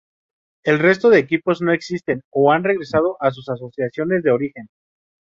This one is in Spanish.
El resto de equipos no existen o han regresado a sus asociaciones de origen.